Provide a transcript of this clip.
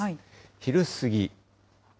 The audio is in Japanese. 昼過ぎ。